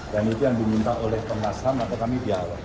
dan itu yang diminta oleh pengasam apa kami dialog